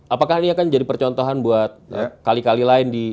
apakah ini akan jadi percontohan buat kali kali lain di